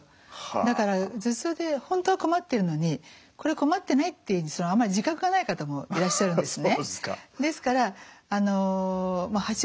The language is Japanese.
だから頭痛で本当は困っているのにこれ困ってないっていうふうにあまり自覚がない方もいらっしゃるんですね。